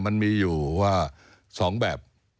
มันมีอยู่ว่า๒แบบ